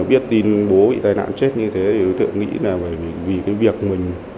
biết tin bố bị tai nạn chết như thế thì đối tượng nghĩ là bởi vì cái việc mình